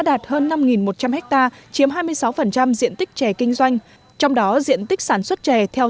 đạt hơn năm một trăm linh ha chiếm hai mươi sáu diện tích chè kinh doanh trong đó diện tích sản xuất chè theo